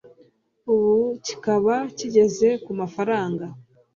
ubu kikaba kigeze ku mafaranga